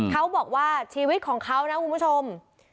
เขาบอกว่าชีวิตของเขานะคุณผู้ชม